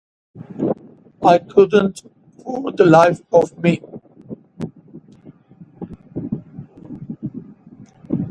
I couldn't for the life of me!